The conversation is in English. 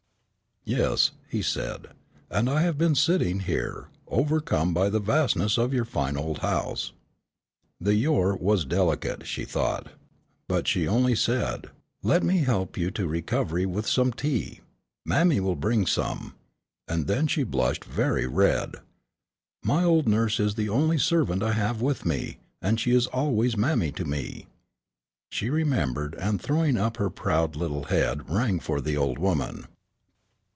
"Yes," he said, "and I have been sitting here, overcome by the vastness of your fine old house." The "your" was delicate, she thought, but she only said, "Let me help you to recovery with some tea. Mammy will bring some," and then she blushed very red. "My old nurse is the only servant I have with me, and she is always mammy to me." She remembered, and throwing up her proud little head rang for the old woman.